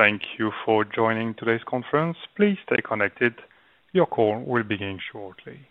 Thank you for joining today's conference. Please stay connected. Your call will begin shortly.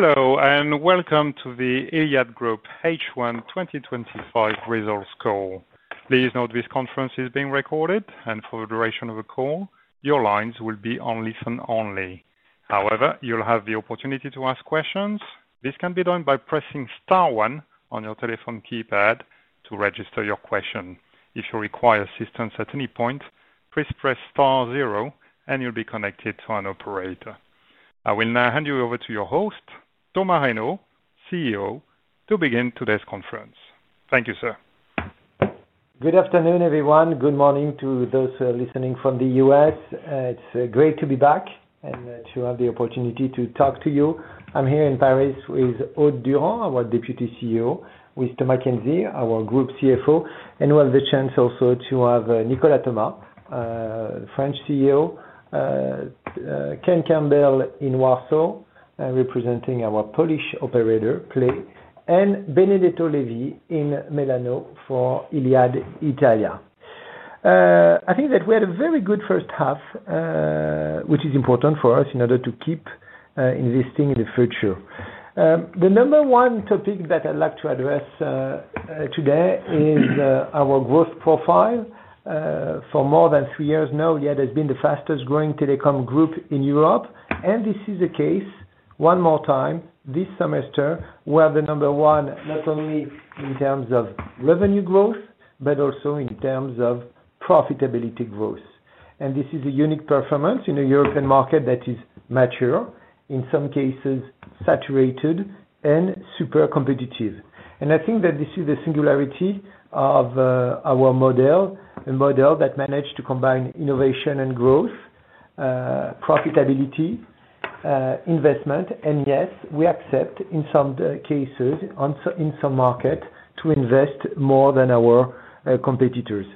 Hello, and welcome to the iliad Group H1 2025 Results Call. Please note this conference is being recorded, and for the duration of the call, your lines will be on listen-only. However, you'll have the opportunity to ask questions. This can be done by pressing star one on your telephone keypad to register your question. If you require assistance at any point, please press star zero, and you'll be connected to an operator. I will now hand you over to your host, Thomas Reynaud, CEO, to begin today's conference. Thank you, sir. Good afternoon, everyone. Good morning to those listening from the U.S. It's great to be back and to have the opportunity to talk to you. I'm here in Paris with Aude Durand, our Deputy CEO, with Thomas Kienzi, our Group CFO, and we'll have the chance also to have Nicolas Thomas, a French CEO, Ken Campbell in Warsaw, representing our Polish operator, PLAY, and Benedetto Levi in Milano for iliad Italia. I think that we had a very good first half, which is important for us in order to keep investing in the future. The number one topic that I'd like to address today is our growth profile. For more than three years now, iliad has been the fastest growing telecom group in Europe, and this is the case. One more time, this semester, we're the number one, not only in terms of revenue growth, but also in terms of profitability growth. This is a unique performance in a European market that is mature, in some cases saturated, and super competitive. I think that this is the singularity of our model, a model that managed to combine innovation and growth, profitability, investment, and yes, we accept, in some cases, in some markets, to invest more than our competitors.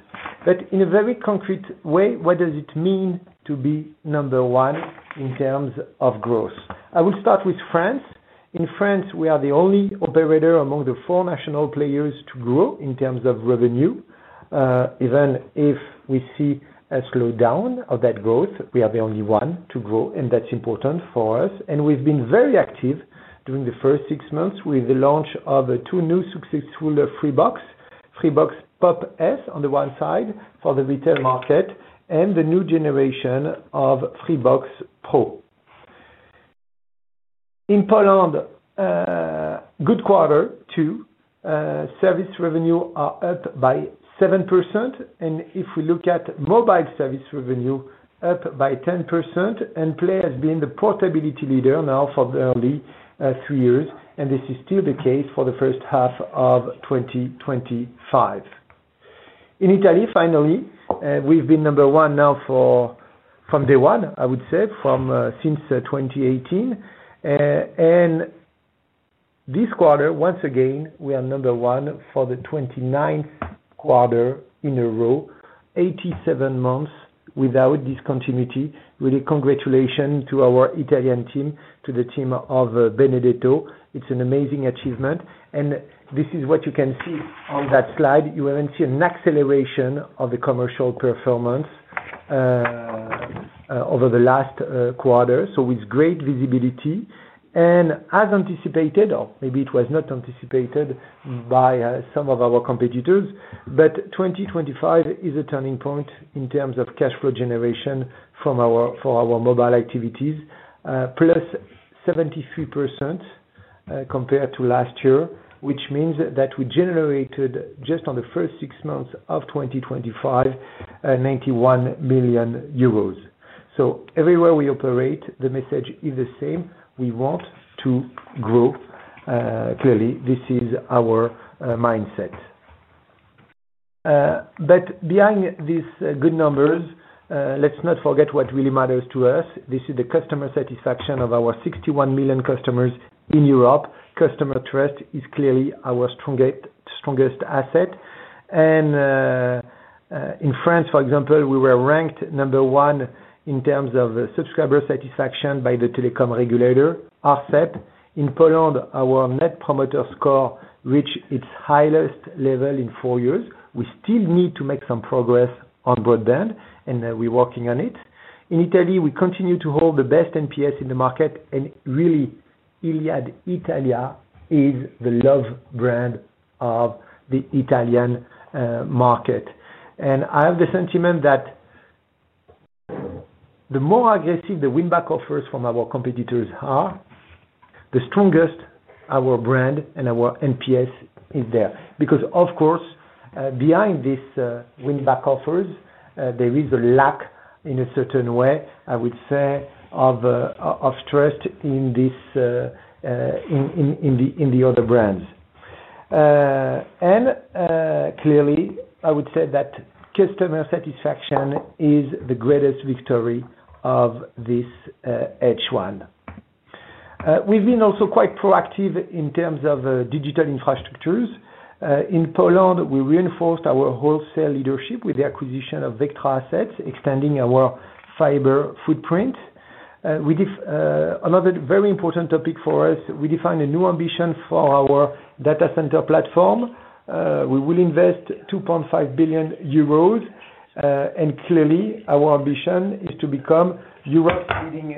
In a very concrete way, what does it mean to be number one in terms of growth? I will start with France. In France, we are the only operator among the four national players to grow in terms of revenue. Even if we see a slowdown of that growth, we are the only one to grow, and that's important for us. We've been very active during the first six months with the launch of two new successful Freebox, Freebox Pop! S on the one side for the retail market, and the new generation of Freebox Pop. In Poland, good quarter too. Service revenue is up by 7%, and if we look at mobile service revenue, up by 10%, and PLAY has been the portability leader now for the early three years, and this is still the case for the first half of 2025. In Italy, finally, we've been number one now from day one, I would say, since 2018. This quarter, once again, we are number one for the 29th quarter in a row, 87 months without discontinuity. Really, congratulations to our Italian team, to the team of Benedetto. It's an amazing achievement. This is what you can see on that slide. You even see an acceleration of the commercial performance over the last quarter, so it's great visibility. As anticipated, or maybe it was not anticipated by some of our competitors, 2025 is a turning point in terms of cash flow generation for our mobile activities, +73% compared to last year, which means that we generated just in the first six months of 2025, 91 million euros. Everywhere we operate, the message is the same. We want to grow. Clearly, this is our mindset. Behind these good numbers, let's not forget what really matters to us. This is the customer satisfaction of our 61 million customers in Europe. Customer trust is clearly our strongest asset. In France, for example, we were ranked number one in terms of subscriber satisfaction by the telecom regulator, ARCEP. In Poland, our Net Promoter Score reached its highest level in four years. We still need to make some progress on broadband, and we're working on it. In Italy, we continue to hold the best NPS in the market, and really, iliad Italia is the love brand of the Italian market. I have the sentiment that the more aggressive the win-back offers from our competitors are, the stronger our brand and our NPS is there. Of course, behind these win-back offers, there is a lack, in a certain way, I would say, of trust in the other brands. Clearly, I would say that customer satisfaction is the greatest victory of this H1. We've been also quite proactive in terms of digital infrastructures. In Poland, we reinforced our wholesale leadership with the acquisition of Vectra Assets, extending our fiber footprint. Another very important topic for us, we defined a new ambition for our data center platform. We will invest 2.5 billion euros, and clearly, our ambition is to become Europe's leading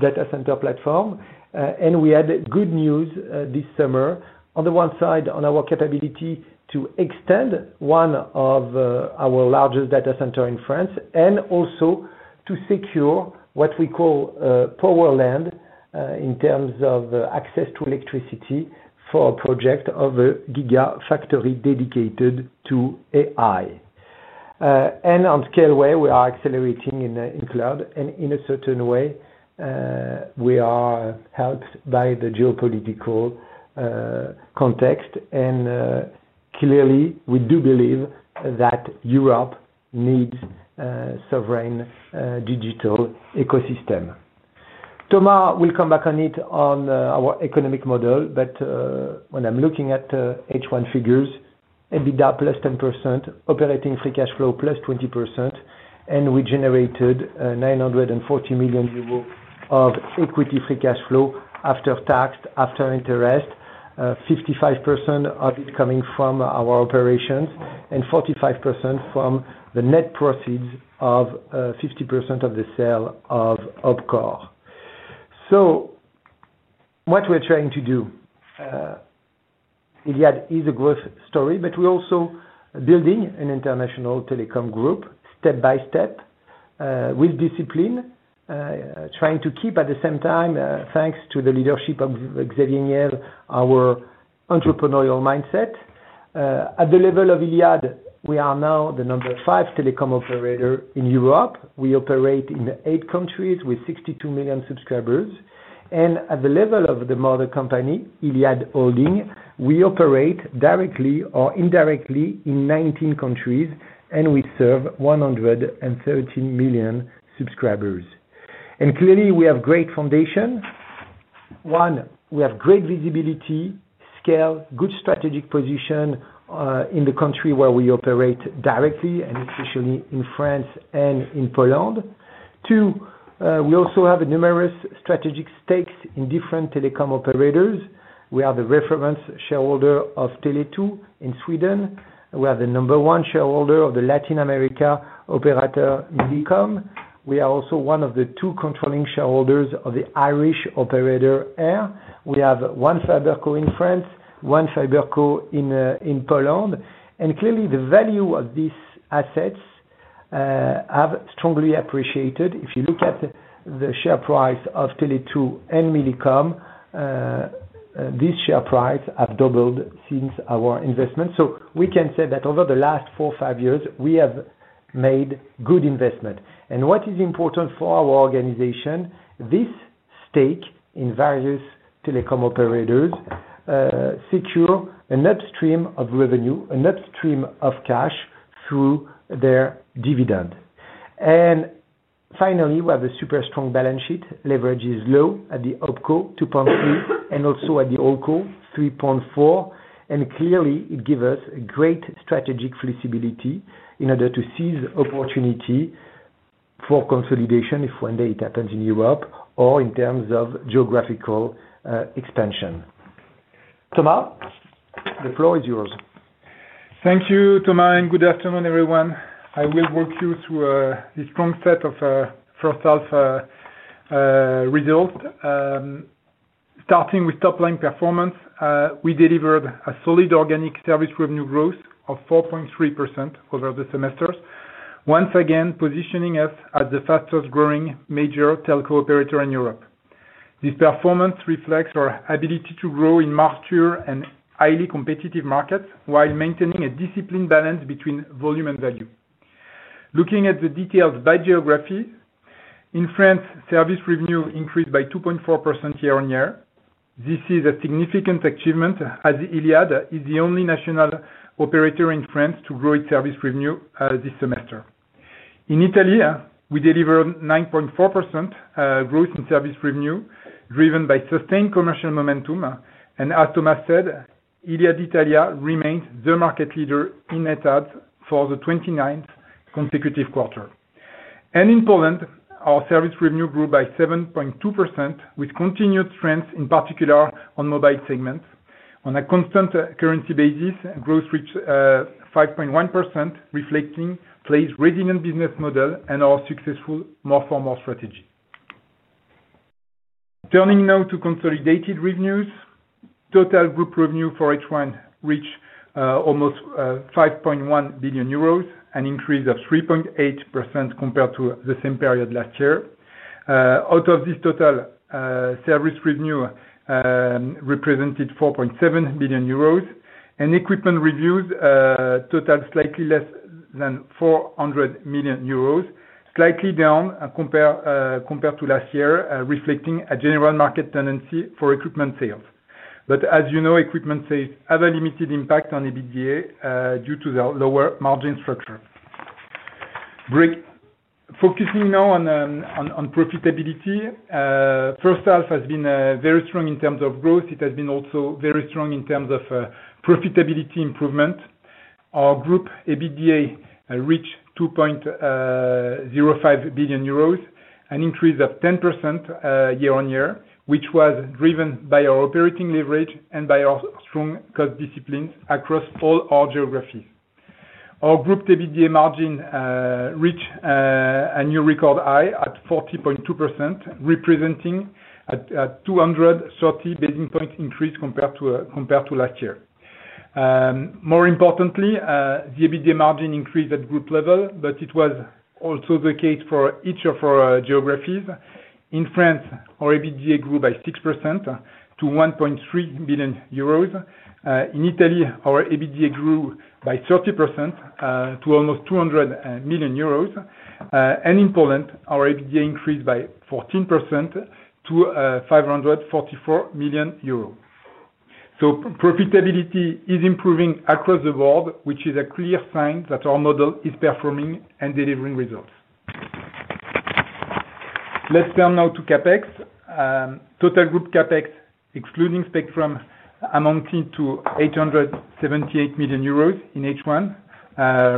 data center platform. We had good news this summer. On the one side, on our capability to extend one of our largest data centers in France, and also to secure what we call power land in terms of access to electricity for a project of a gigafactory dedicated to AI. On the scale way, we are accelerating in cloud, and in a certain way, we are helped by the geopolitical context. Clearly, we do believe that Europe needs a sovereign digital ecosystem. Thomas will come back on it on our economic model, but when I'm looking at the H1 figures, EBITDA +10%, operating free cash flow plus 20%, and we generated 940 million euros of equity free cash flow after tax, after interest, 55% of it coming from our operations, and 45% from the net proceeds of 50% of the sale of OpCore. What we're trying to do, iliad is a growth story, but we're also building an international telecom group step by step, with discipline, trying to keep at the same time, thanks to the leadership of Xavier Niel, our entrepreneurial mindset. At the level of iliad, we are now the number five telecom operator in Europe. We operate in eight countries with 62 million subscribers. At the level of the mother company, iliad Holding, we operate directly or indirectly in 19 countries, and we serve 113 million subscribers. Clearly, we have a great foundation. One, we have great visibility, scale, good strategic position in the country where we operate directly, and especially in France and in Poland. Two, we also have numerous strategic stakes in different telecom operators. We are the reference shareholder of Tele2 in Sweden. We are the number one shareholder of the Latin America operator, Millicom. We are also one of the two controlling shareholders of the Irish operator, Air. We have one fiber core in France, one fiber core in Poland. Clearly, the value of these assets has strongly appreciated. If you look at the share price of Tele2 and Millicom, these share prices have doubled since our investment. We can say that over the last four or five years, we have made good investments. What is important for our organization, this stake in various telecom operators secures a net stream of revenue, a net stream of cash through their dividend. Finally, we have a super strong balance sheet. Leverage is low at the OpCore 2.3, and also at the OLCO 3.4. Clearly, it gives us a great strategic flexibility in order to seize opportunity for consolidation if one day it happens in Europe, or in terms of geographical expansion. Thomas, the floor is yours. Thank you, Thomas, and good afternoon, everyone. I will walk you through a strong set of results. Starting with top-line performance, we delivered a solid organic service revenue growth of 4.3% over the semesters, once again positioning us as the fastest growing major telco operator in Europe. This performance reflects our ability to grow in mature and highly competitive markets while maintaining a disciplined balance between volume and value. Looking at the details by geography, in France, service revenue increased by 2.4% year on year. This is a significant achievement as iliad is the only national operator in France to grow its service revenue this semester. In Italy, we delivered 9.4% growth in service revenue, driven by sustained commercial momentum. As Thomas said, iliad Italia remains the market leader in Net Ads for the 29th consecutive quarter. In Poland, our service revenue grew by 7.2% with continued strength, in particular on mobile segments. On a constant currency basis, growth reached 5.1%, reflecting PLAY's resilient business model and our successful more-for-more strategy. Turning now to consolidated revenues, total group revenue for H1 reached almost 5.1 billion euros, an increase of 3.8% compared to the same period last year. Out of this total, service revenue represented 4.7 billion euros, and equipment revenues totaled slightly less than 400 million euros, slightly down compared to last year, reflecting a general market tendency for equipment sales. As you know, equipment sales have a limited impact on EBITDA due to the lower margin structure. Focusing now on profitability, first half has been very strong in terms of growth. It has been also very strong in terms of profitability improvement. Our group EBITDA reached 2.05 billion euros, an increase of 10% year on year, which was driven by our operating leverage and by our strong cost disciplines across all our geographies. Our group EBITDA margin reached a new record high at 40.2%, representing a 230 basis point increase compared to last year. More importantly, the EBITDA margin increased at group level, but it was also the case for each of our geographies. In France, our EBITDA grew by 6% to 1.3 billion euros. In Italy, our EBITDA grew by 30% to almost 200 million euros. In Poland, our EBITDA increased by 14% to 544 million euros. Profitability is improving across the board, which is a clear sign that our model is performing and delivering results. Let's turn now to CapEx. Total group CapEx, excluding Spectrum, amounted to 878 million euros in H1,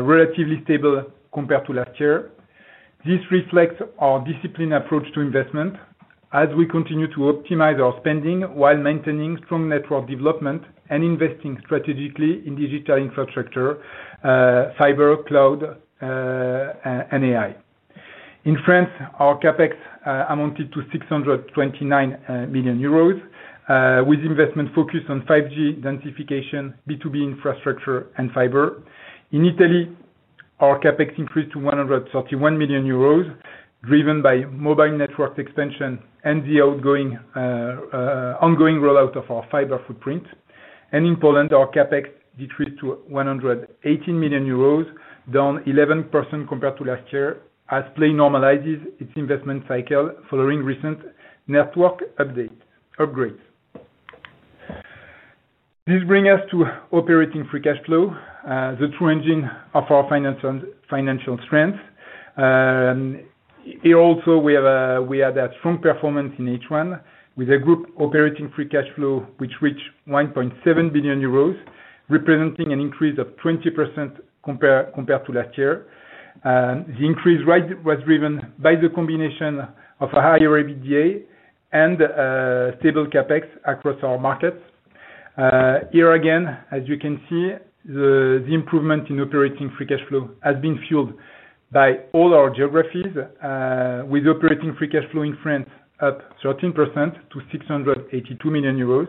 relatively stable compared to last year. This reflects our disciplined approach to investment as we continue to optimize our spending while maintaining strong network development and investing strategically in digital infrastructure, fiber, cloud, and AI. In France, our CapEx amounted to 629 million euros, with investment focused on 5G densification, B2B infrastructure, and fiber. In Italy, our CapEx increased to 131 million euros, driven by mobile networks expansion and the ongoing rollout of our fiber footprint. In Poland, our CapEx decreased to 118 million euros, down 11% compared to last year, as PLAY normalizes its investment cycle following recent network upgrades. This brings us to operating free cash flow, the true engine of our financial strengths. Here, also, we had a strong performance in H1 with a group operating free cash flow which reached 1.7 billion euros, representing an increase of 20% compared to last year. The increase was driven by the combination of a higher EBITDA and stable CapEx across our markets. Here again, as you can see, the improvement in operating free cash flow has been fueled by all our geographies, with operating free cash flow in France up 13% to 682 million euros,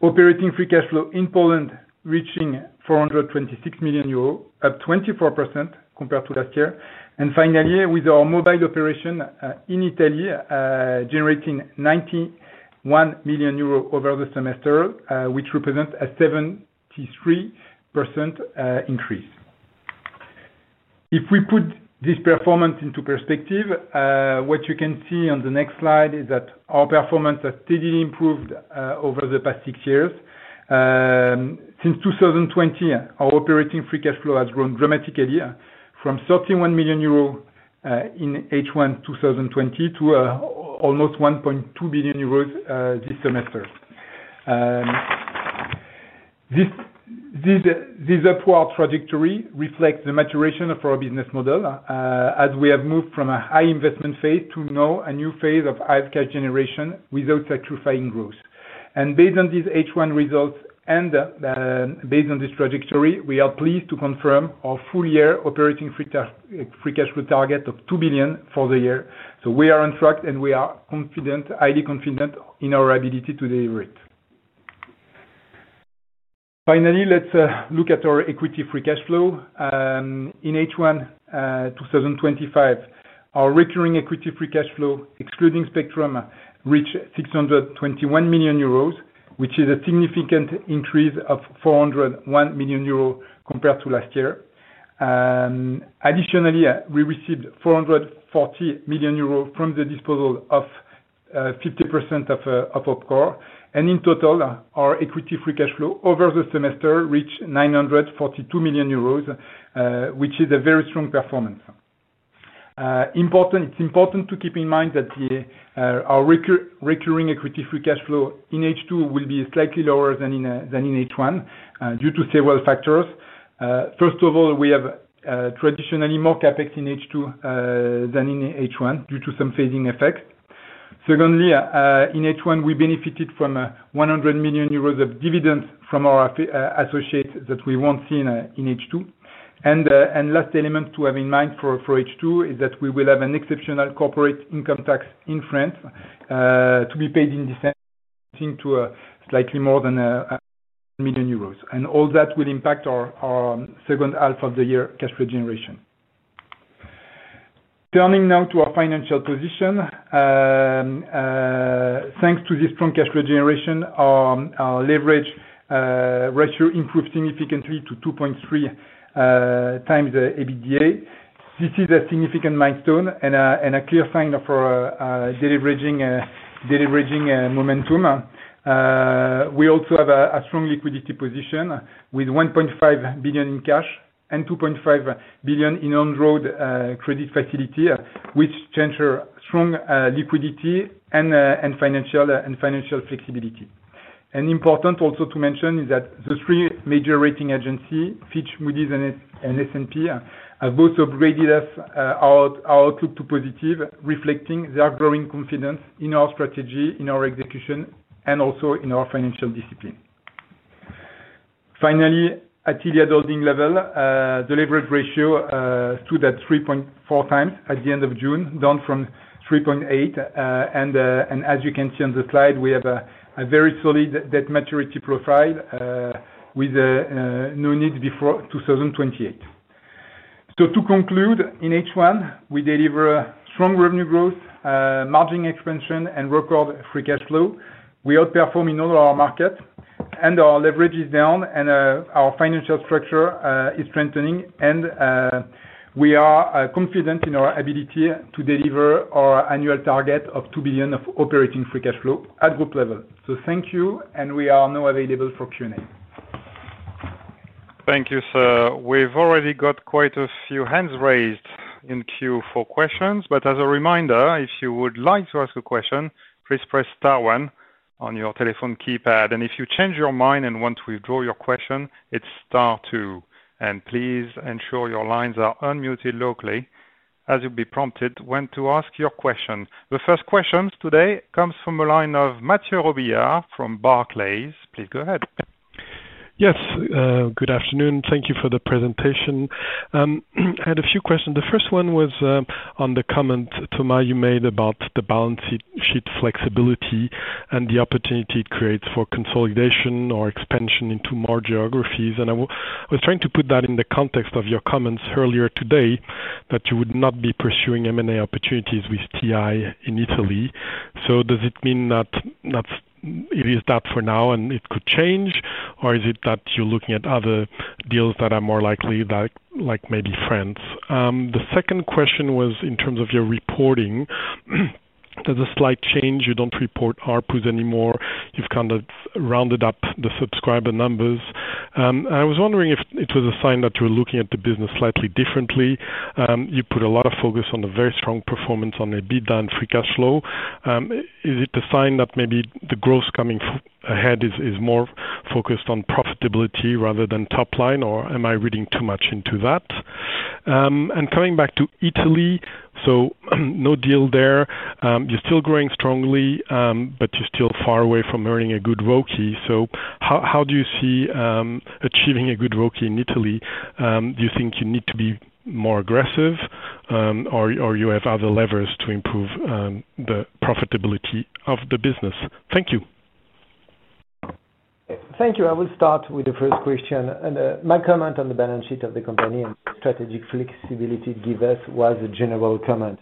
operating free cash flow in Poland reaching 426 million euros, up 24% compared to last year, and finally, with our mobile operation in Italy generating 91 million euros over the semester, which represents a 73% increase. If we put this performance into perspective, what you can see on the next slide is that our performance has steadily improved over the past six years. Since 2020, our operating free cash flow has grown dramatically from 31 million euro in H1 2020 to almost 1.2 billion euros this semester. This upward trajectory reflects the maturation of our business model as we have moved from a high investment phase to now a new phase of high cash generation without sacrificing growth. Based on these H1 results and based on this trajectory, we are pleased to confirm our full-year operating free cash flow target of 2 billion for the year. We are on track, and we are highly confident in our ability to deliver it. Finally, let's look at our equity free cash flow. In H1 2025, our recurring equity free cash flow, excluding Spectrum, reached 621 million euros, which is a significant increase of 401 million euros compared to last year. Additionally, we received 440 million euros from the disposal of 50% of OpCore. In total, our equity free cash flow over the semester reached 942 million euros, which is a very strong performance. It's important to keep in mind that our recurring equity free cash flow in H2 will be slightly lower than in H1 due to several factors. First of all, we have traditionally more CapEx in H2 than in H1 due to some phasing effects. Secondly, in H1, we benefited from 100 million euros of dividends from our associates that we won't see in H2. The last element to have in mind for H2 is that we will have an exceptional corporate income tax in France to be paid in defect to slightly more than 1 million euros. All that will impact our second half of the year cash flow generation. Turning now to our financial position, thanks to the strong cash flow generation, our leverage ratio improved significantly to 2.3x the EBITDA. This is a significant milestone and a clear sign of our delivering momentum. We also have a strong liquidity position with 1.5 billion in cash and 2.5 billion in on-road credit facility, which ensures strong liquidity and financial flexibility. It is important also to mention that the three major rating agencies, Fitch, Moody's, and S&P, have both upgraded our outlook to positive, reflecting their growing confidence in our strategy, in our execution, and also in our financial discipline. Finally, at iliad Holding level, the leverage ratio stood at 3.4x at the end of June, down from 3.8x. As you can see on the slide, we have a very solid debt maturity profile with no need before 2028. To conclude, in H1, we deliver strong revenue growth, margin expansion, and record free cash flow. We outperform in all our markets, our leverage is down, and our financial structure is strengthening. We are confident in our ability to deliver our annual target of 2 billion of operating free cash flow at group level. Thank you, and we are now available for Q&A. Thank you, sir. We've already got quite a few hands raised in queue for questions. As a reminder, if you would like to ask a question, please press star one on your telephone keypad. If you change your mind and want to withdraw your question, it's star two. Please ensure your lines are unmuted locally as you'll be prompted when to ask your question. The first question today comes from a line of Matthieu Robillard from Barclays. Please go ahead. Yes. Good afternoon. Thank you for the presentation. I had a few questions. The first one was on the comment, Thomas, you made about the balance sheet flexibility and the opportunity it creates for consolidation or expansion into more geographies. I was trying to put that in the context of your comments earlier today that you would not be pursuing M&A opportunities with TI in Italy. Does it mean that it is that for now and it could change? Is it that you're looking at other deals that are more likely, like maybe France? The second question was in terms of your reporting. There's a slight change. You don't report ARPUs anymore. You've kind of rounded up the subscriber numbers. I was wondering if it was a sign that you were looking at the business slightly differently. You put a lot of focus on the very strong performance on EBITDA and free cash flow. Is it a sign that maybe the growth coming ahead is more focused on profitability rather than top line? Or am I reading too much into that? Coming back to Italy, no deal there. You're still growing strongly, but you're still far away from earning a good royalty. How do you see achieving a good royalty in Italy? Do you think you need to be more aggressive? Or you have other levers to improve the profitability of the business? Thank you. Thank you. I will start with the first question. My comment on the balance sheet of the company and strategic flexibility it gave us was a general comment.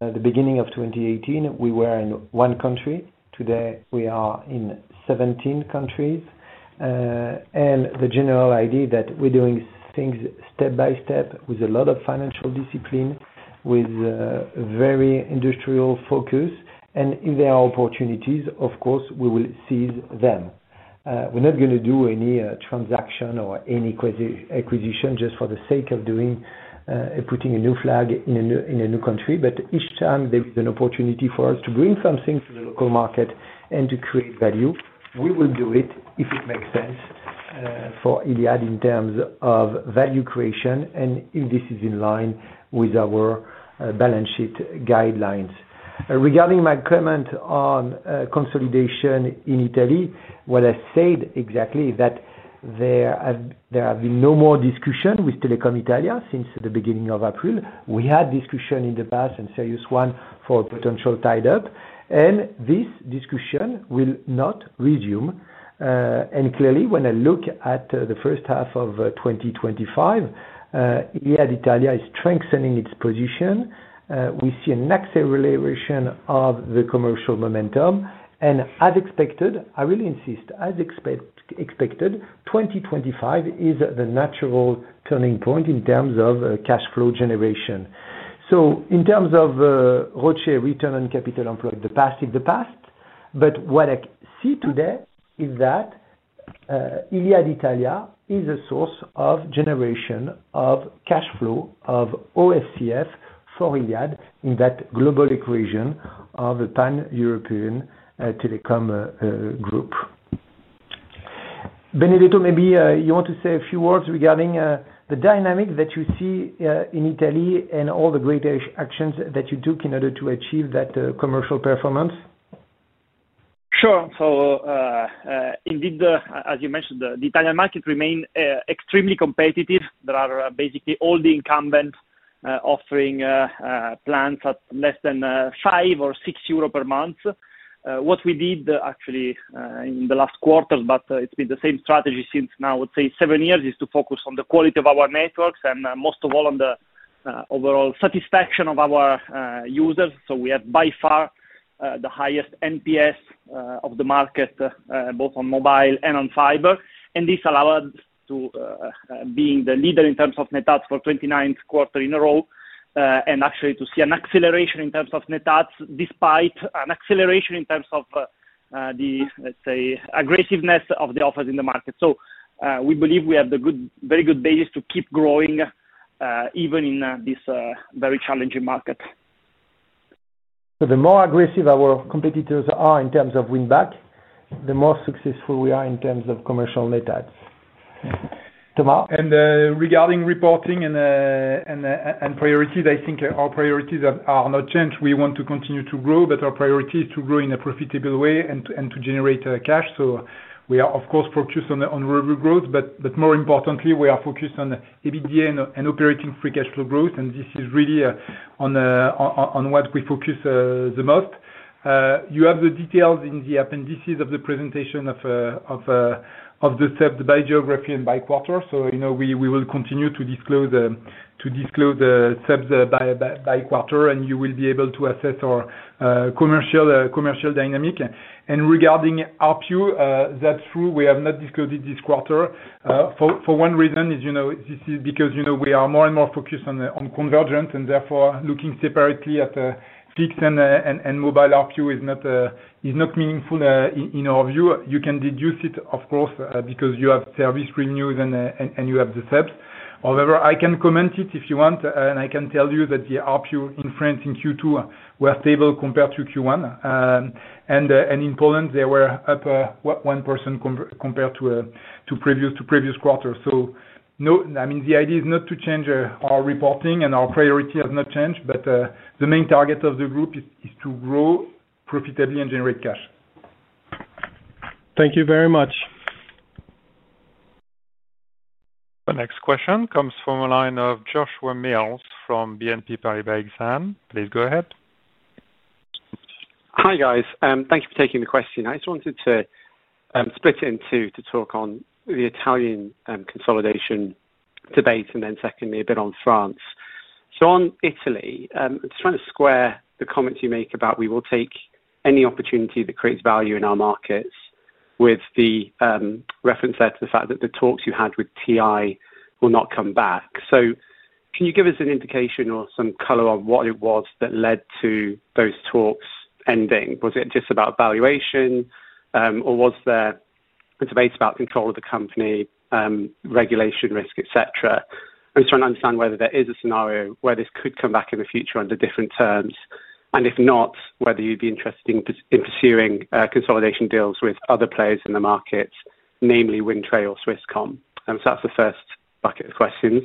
At the beginning of 2018, we were in one country. Today, we are in 17 countries. The general idea is that we're doing things step by step with a lot of financial discipline, with a very industrial focus. If there are opportunities, of course, we will seize them. We're not going to do any transaction or any acquisition just for the sake of putting a new flag in a new country. Each time there is an opportunity for us to bring something to the local market and to create value, we will do it if it makes sense for iliad in terms of value creation and if this is in line with our balance sheet guidelines. Regarding my comment on consolidation in Italy, what I said exactly is that there have been no more discussions with Telecom Italia since the beginning of April. We had discussions in the past and serious ones for a potential tie-up. This discussion will not resume. Clearly, when I look at the first half of 2025, iliad Italia is strengthening its position. We see a net acceleration of the commercial momentum. As expected, I will insist, as expected, 2025 is the natural turning point in terms of cash flow generation. In terms of royalty return on capital employed in the past, but what I see today is that iliad Italia is a source of generation of cash flow of OFCF for iliad in that global equation of a pan-European telecom group. Benedetto, maybe you want to say a few words regarding the dynamic that you see in Italy and all the great actions that you took in order to achieve that commercial performance? Sure. So indeed, as you mentioned, the Italian market remains extremely competitive. There are basically all the incumbents offering plans at less than 5 or 6 euro per month. What we did actually in the last quarter, but it's been the same strategy since now, I would say, seven years, is to focus on the quality of our networks and most of all on the overall satisfaction of our users. We have by far the highest NPS of the market, both on mobile and on fiber. This allowed us to be the leader in terms of Net Ads for the 29th quarter in a row and actually to see an acceleration in terms of Net Ads despite an acceleration in terms of the, let's say, aggressiveness of the offers in the market. We believe we have a very good basis to keep growing even in this very challenging market. The more aggressive our competitors are in terms of win-back, the more successful we are in terms of commercial Net Ads. Thomas. Regarding reporting and priorities, I think our priorities have not changed. We want to continue to grow, but our priority is to grow in a profitable way and to generate cash. We are, of course, focused on revenue growth, but more importantly, we are focused on EBITDA and operating free cash flow growth. This is really on what we focus the most. You have the details in the appendices of the presentation of the SEB by geography and by quarter. You know we will continue to disclose the SEB by quarter, and you will be able to assess our commercial dynamic. Regarding ARPU, that's true. We have not disclosed it this quarter for one reason. This is because we are more and more focused on convergence, and therefore, looking separately at fixed and mobile ARPU is not meaningful in our view. You can deduce it, of course, because you have service revenues and you have the SEBs. However, I can comment it if you want, and I can tell you that the ARPU in France in Q2 was stable compared to Q1. In Poland, they were up 1% compared to previous quarters. The idea is not to change our reporting, and our priority has not changed, but the main target of the group is to grow profitably and generate cash. Thank you very much. The next question comes from a line of Joshua Mills from BNP Paribas Exane. Please go ahead. Hi, guys. Thank you for taking the question. I just wanted to split in two to talk on the Italian consolidation debates and then secondly a bit on France. On Italy, I'm just trying to square the comments you make about we will take any opportunity that creates value in our markets with the reference there to the fact that the talks you had with Telecom Italia will not come back. Can you give us an indication or some color on what it was that led to those talks ending? Was it just about valuation, or was there a debate about control of the company, regulation risk, etc.? I'm just trying to understand whether there is a scenario where this could come back in the future under different terms. If not, whether you'd be interested in pursuing consolidation deals with other players in the markets, namely WINDTRE or Swisscom. That's the first bucket of questions.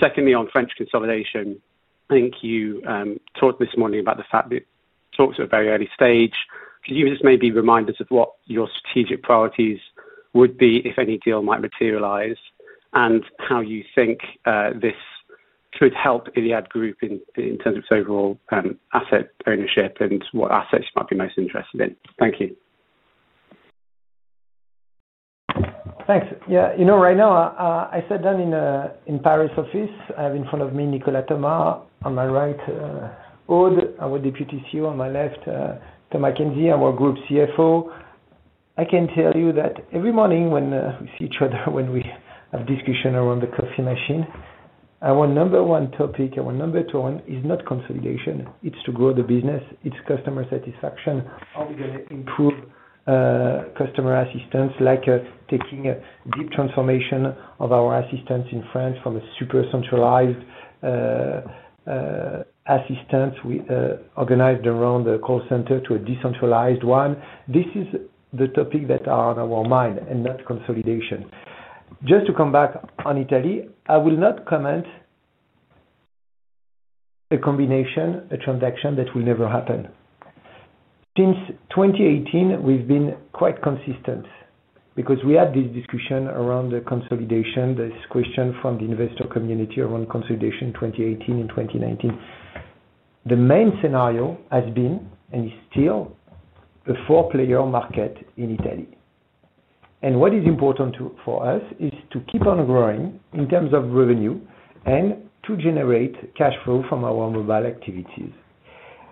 Secondly, on French consolidation, I think you talked this morning about the fact that talks are at a very early stage. Could you just maybe remind us of what your strategic priorities would be if any deal might materialize and how you think this could help iliad Group in terms of its overall asset ownership and what assets you might be most interested in? Thank you. Thanks. Yeah, you know right now, I sat down in the Paris office. I have in front of me Nicolas Thomas. On my right, Aude, our Deputy CEO. On my left, Thomas Kienzi, our Group CFO. I can tell you that every morning when we see each other, when we have discussions around the coffee machine, our number one topic, our number two one is not consolidation. It's to grow the business. It's customer satisfaction. How are we going to improve customer assistance, like taking a deep transformation of our assistants in France from a super centralized assistance organized around the call center to a decentralized one? This is the topic that is on our mind and not consolidation. Just to come back on Italy, I will not comment a combination, a transaction that will never happen. Since 2018, we've been quite consistent because we had this discussion around the consolidation, this question from the investor community around consolidation in 2018 and 2019. The main scenario has been and is still a four-player market in Italy. What is important for us is to keep on growing in terms of revenue and to generate cash flow from our mobile activities.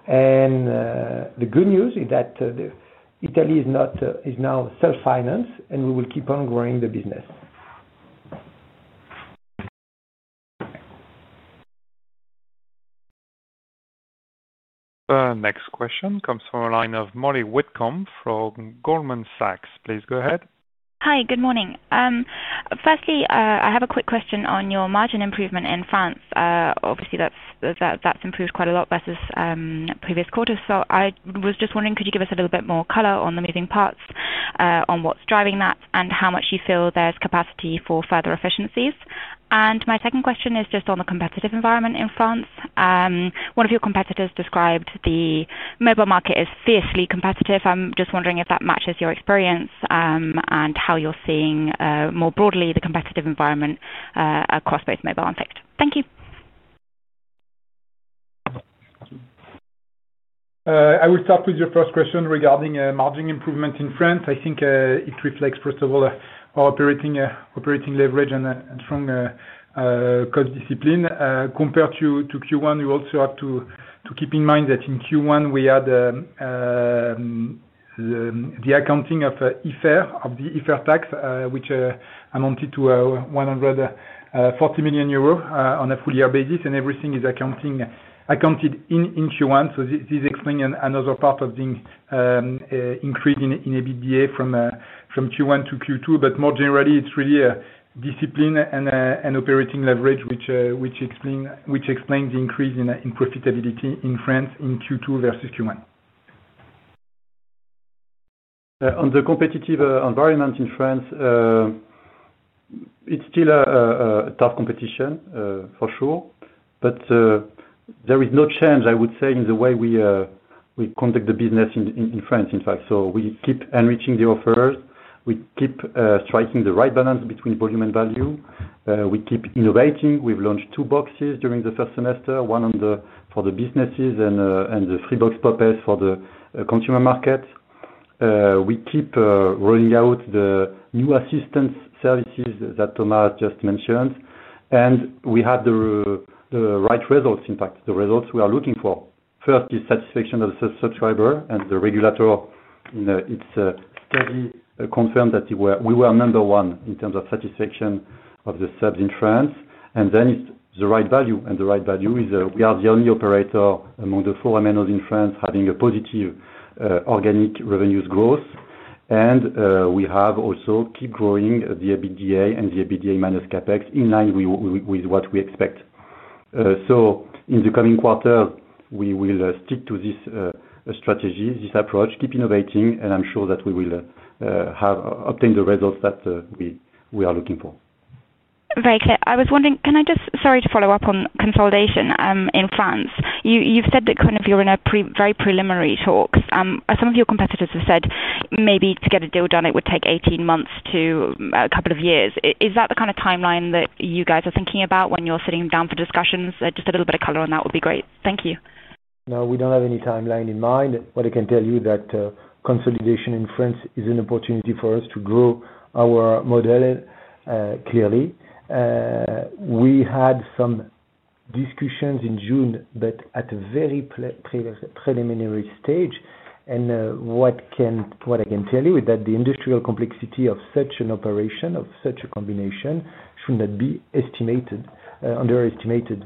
The good news is that Italy is now self-financed, and we will keep on growing the business. The next question comes from a line of Molly Whitcomb from Goldman Sachs. Please go ahead. Hi. Good morning. Firstly, I have a quick question on your margin improvement in France. Obviously, that's improved quite a lot versus previous quarters. I was just wondering, could you give us a little bit more color on the moving parts, on what's driving that, and how much you feel there's capacity for further efficiencies? My second question is just on the competitive environment in France. One of your competitors described the mobile market as fiercely competitive. I'm just wondering if that matches your experience and how you're seeing more broadly the competitive environment across both mobile and Fixed. Thank you. I will start with your first question regarding margin improvement in France. I think it reflects, first of all, our operating leverage and strong cost discipline. Compared to Q1, you also have to keep in mind that in Q1, we had the accounting of the IFRS tax, which amounted to 140 million euros on a full-year basis, and everything is accounted in Q1. This explains another part of the increase in EBITDA from Q1 to Q2. More generally, it's really discipline and operating leverage, which explains the increase in profitability in France in Q2 versus Q1. On the competitive environment in France, it's still a tough competition for sure. There is no change, I would say, in the way we conduct the business in France, in fact. We keep enriching the offers. We keep striking the right balance between volume and value. We keep innovating. We've launched two boxes during the first semester, one for the businesses and the Freebox Pop! S for the consumer market. We keep rolling out the new assistance services that Thomas just mentioned. We have the right results, in fact, the results we are looking for. First is satisfaction of the subscriber, and the regulator in its study confirmed that we were number one in terms of satisfaction of the SEBs in France. It's the right value. The right value is we are the only operator among the four MNOs in France having a positive organic revenues growth. We have also keep growing the EBITDA and the EBITDA minus CapEx in line with what we expect. In the coming quarter, we will stick to this strategy, this approach, keep innovating, and I'm sure that we will have obtained the results that we are looking for. Very clear. I was wondering, can I just follow up on consolidation in France? You've said that you're in very preliminary talks. Some of your competitors have said maybe to get a deal done, it would take 18 months to a couple of years. Is that the kind of timeline that you guys are thinking about when you're sitting down for discussions? Just a little bit of color on that would be great. Thank you. No, we don't have any timeline in mind. What I can tell you is that consolidation in France is an opportunity for us to grow our model, clearly. We had some discussions in June at a very preliminary stage. What I can tell you is that the industrial complexity of such an operation, of such a combination, should not be underestimated.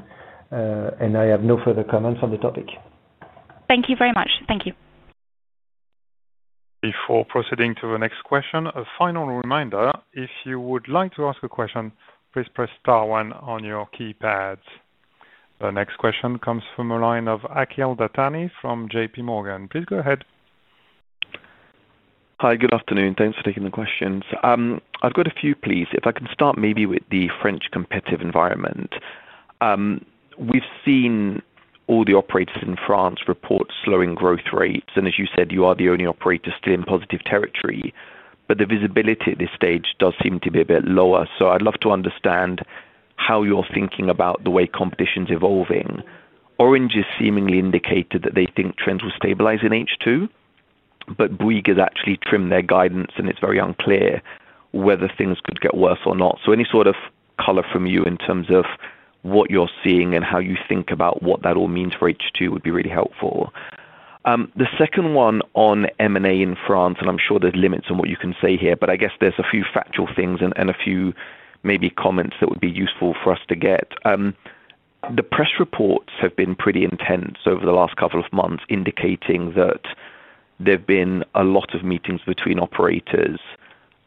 I have no further comments on the topic. Thank you very much. Thank you. Before proceeding to the next question, a final reminder. If you would like to ask a question, please press star one on your keypad. The next question comes from a line of Akhil Datani from JP Morgan. Please go ahead. Hi. Good afternoon. Thanks for taking the questions. I've got a few, please. If I can start maybe with the French competitive environment. We've seen all the operators in France report slowing growth rates. As you said, you are the only operator still in positive territory. The visibility at this stage does seem to be a bit lower. I'd love to understand how you're thinking about the way competition is evolving. Orange is seemingly indicated that they think trends will stabilize in H2, but Bouygues has actually trimmed their guidance, and it's very unclear whether things could get worse or not. Any sort of color from you in terms of what you're seeing and how you think about what that all means for H2 would be really helpful. The second one on M&A in France, and I'm sure there's limits on what you can say here, but I guess there's a few factual things and a few maybe comments that would be useful for us to get. The press reports have been pretty intense over the last couple of months, indicating that there have been a lot of meetings between operators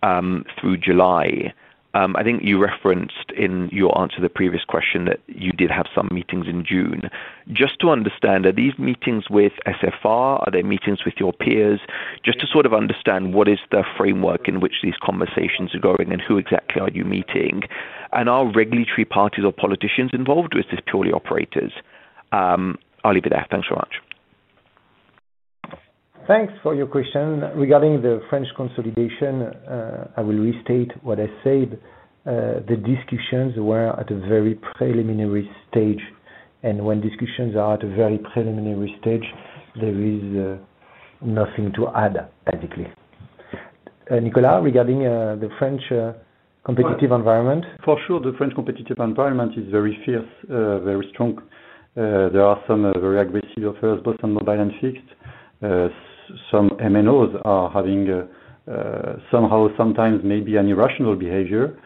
through July. I think you referenced in your answer to the previous question that you did have some meetings in June. Just to understand, are these meetings with SFR? Are there meetings with your peers? Just to sort of understand what is the framework in which these conversations are going and who exactly are you meeting? Are regulatory parties or politicians involved, or is this purely operators? I'll leave it there. Thanks very much. Thanks for your question. Regarding the French consolidation, I will restate what I said. The discussions were at a very preliminary stage. When discussions are at a very preliminary stage, there is nothing to add, basically. Nicolas, regarding the French competitive environment? For sure, the French competitive environment is very fierce, very strong. There are some very aggressive offers, both on mobile and fixed. Some MNOs are having sometimes maybe an irrational behavior.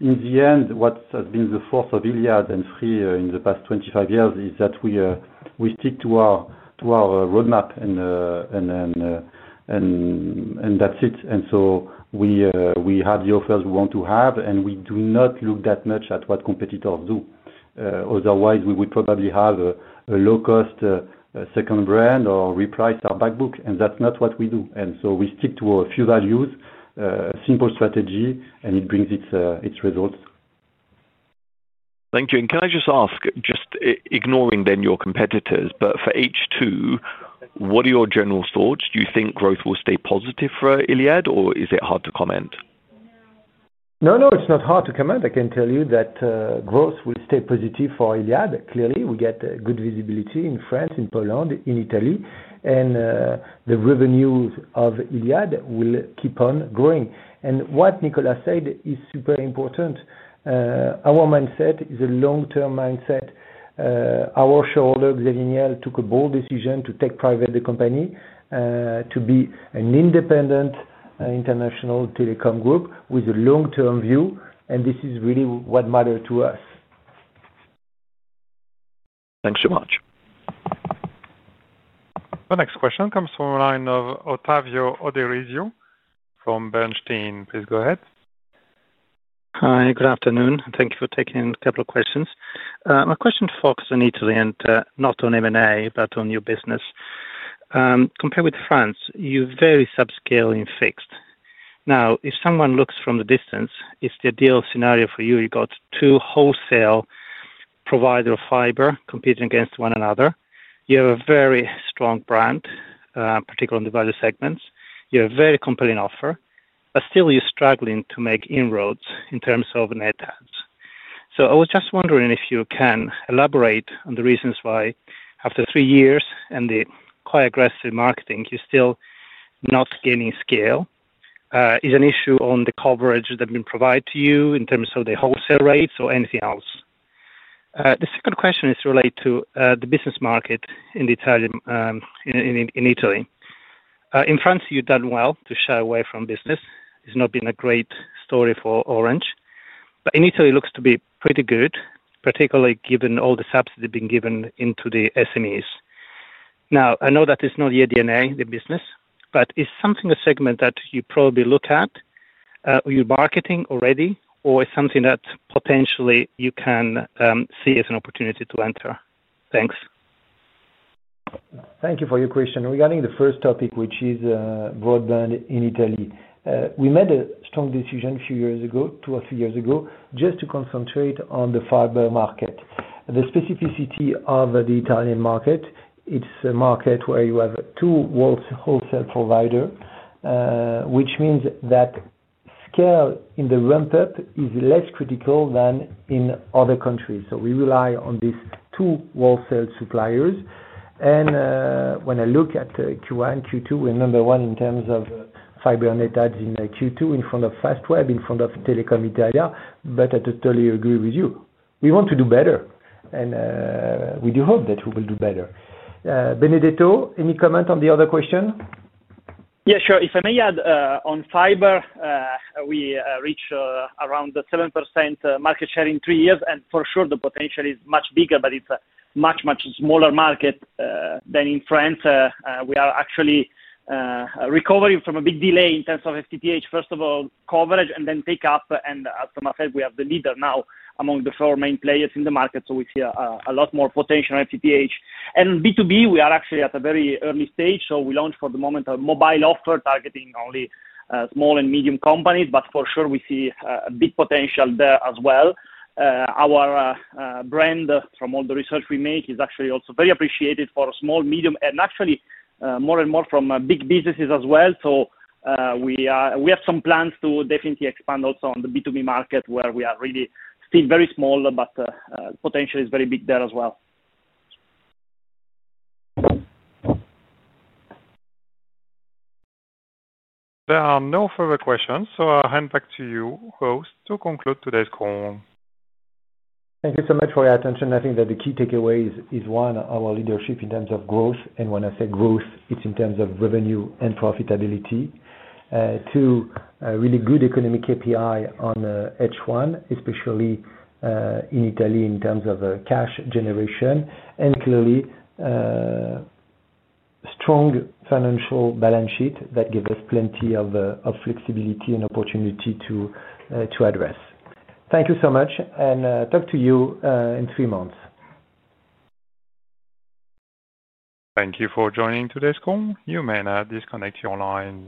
In the end, what has been the force of iliad and Free in the past 25 years is that we stick to our roadmap, and that's it. We have the offers we want to have, and we do not look that much at what competitors do. Otherwise, we would probably have a low-cost second brand or reprice our backbook, and that's not what we do. We stick to a few values, a simple strategy, and it brings its results. Thank you. Can I just ask, ignoring your competitors, for H2, what are your general thoughts? Do you think growth will stay positive for iliad, or is it hard to comment? No, it's not hard to comment. I can tell you that growth will stay positive for iliad. Clearly, we get good visibility in France, in Poland, in Italy, and the revenues of iliad will keep on growing. What Nicolas said is super important. Our mindset is a long-term mindset. Our shareholder, Xavier Niel, took a bold decision to take private the company to be an independent international telecom group with a long-term view, and this is really what matters to us. Thanks very much. The next question comes from a line of Ottavio Odorizio from Bernstein. Please go ahead. Hi. Good afternoon. Thank you for taking a couple of questions. My question focuses on Italy and not on M&A, but on your business. Compared with France, you're very subscaling fixed. Now, if someone looks from the distance, it's the ideal scenario for you. You've got two wholesale providers of fiber competing against one another. You have a very strong brand, particularly in the value segments. You have a very compelling offer, but still, you're struggling to make inroads in terms of Net Ads. I was just wondering if you can elaborate on the reasons why, after three years and the quite aggressive marketing, you're still not gaining scale. Is it an issue on the coverage that's been provided to you in terms of the wholesale rates or anything else? The second question is related to the business market in Italy. In France, you've done well to shy away from business. It's not been a great story for Orange. In Italy, it looks to be pretty good, particularly given all the subsidies being given into the SMEs. I know that it's not your DNA, the business, but is it something a segment that you probably look at in your marketing already, or is it something that potentially you can see as an opportunity to enter? Thanks. Thank you for your question. Regarding the first topic, which is broadband in Italy, we made a strong decision a few years ago, two or three years ago, just to concentrate on the fiber market. The specificity of the Italian market, it's a market where you have two wholesale providers, which means that scale in the ramp-up is less critical than in other countries. We rely on these two wholesale suppliers. When I look at Q1 and Q2, we're number one in terms of fiber and Net Ads in Q2 in front of Fastweb, in front of Telecom Italia. I totally agree with you. We want to do better, and we do hope that we will do better. Benedetto, any comment on the other question? Yeah, sure. If I may add, on fiber, we reach around 7% market share in three years, and for sure, the potential is much bigger, but it's a much, much smaller market than in France. We are actually recovering from a big delay in terms of FTTH. First of all, coverage, and then pick up. As Thomas said, we are the leader now among the four main players in the market. We see a lot more potential in FTTH. In B2B, we are actually at a very early stage. We launched for the moment a mobile offer targeting only small and medium companies, but for sure, we see a big potential there as well. Our brand, from all the research we make, is actually also very appreciated for small, medium, and actually more and more from big businesses as well. We have some plans to definitely expand also on the B2B market where we are really still very small, but potential is very big there as well. There are no further questions, so I'll hand back to you, host, to conclude today's call. Thank you so much for your attention. I think that the key takeaway is, one, our leadership in terms of growth. When I say growth, it's in terms of revenue and profitability. Two, a really good economic KPI on H1, especially in Italy in terms of cash generation. Clearly, a strong financial balance sheet gives us plenty of flexibility and opportunity to address. Thank you so much, and talk to you in three months. Thank you for joining today's call. You may now disconnect your line.